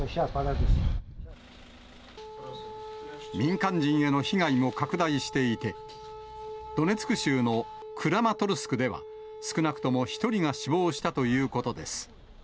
民間人への被害も拡大していて、ドネツク州のクラマトルスクでは、少なくとも１人が死亡したということです。